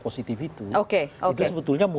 positif itu oke oke itu sebetulnya